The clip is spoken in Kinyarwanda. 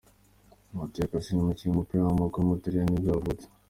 Mattia Cassani, umukinnyi w’umupira w’amaguru w’umutaliyani nibwo yavutse.